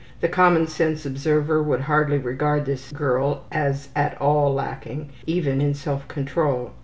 The commonsense observer would hardly regard this girl as at all lacking, even in self control.